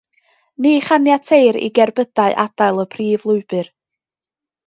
Ni chaniateir i gerbydau adael y prif lwybr.